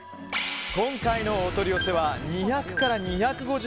今回のお取り寄せは２００から２５０ｇ